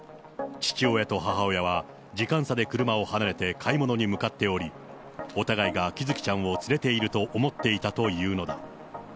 父親と母親は時間差で車を離れて買い物に向かっており、お互いがきずきちゃんを連れていると思っていたというのだ。